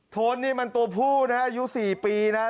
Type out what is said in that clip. ทนนี่มันตัวผู้นะอายุ๔ปีนะ